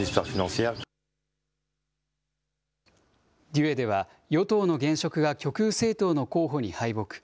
デュエでは与党の現職が極右政党の候補に敗北。